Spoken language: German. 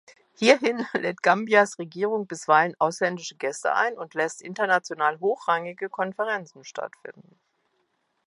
Hierhin lädt Gambias Regierung bisweilen ausländische Gäste ein und lässt international hochrangige Konferenzen stattfinden.